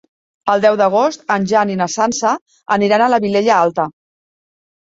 El deu d'agost en Jan i na Sança aniran a la Vilella Alta.